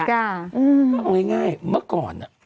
ก็เอาง่ายมาก่อน